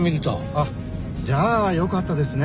あっじゃあよかったですね。